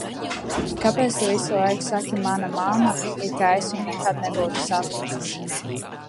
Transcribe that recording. "Kāpēc tu visu laiku saki "mana mamma", it kā es viņu nekad nebūtu saticis?"